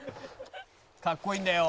「かっこいいんだよ！」